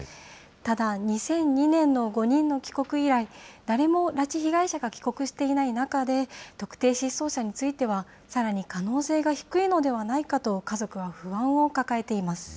ただ、２００２年の５人の帰国以来、誰も拉致被害者が帰国していない中で、特定失踪者についてはさらに可能性が低いのではないかと家族は不安を抱えています。